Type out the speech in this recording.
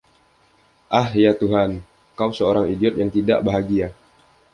Ah, ya Tuhan, kau seorang idiot yang tidak bahagia!